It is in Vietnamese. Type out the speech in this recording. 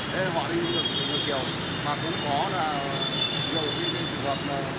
thế họ đi ngược chiều mà cũng có là nhiều cái trường hợp đi vào làn làn ở rộng